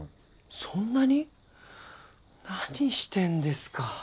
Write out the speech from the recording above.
そんなに！？何してんですか。